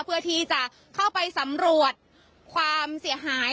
เพื่อที่จะเข้าไปสำรวจความเสียหาย